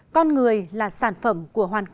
con người là sản phẩm của hoạt động sống